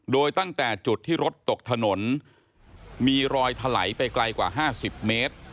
โดยตั้งแต่จุดที่รถตกถนนมีรอยถลายไปไกลกว่า๕๐เมตร